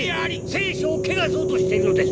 「聖書」を汚そうとしているのです！